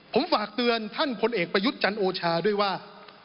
ผมฝากเตือนท่านพลเอกประยุทธ์จันโอชาด้วยว่า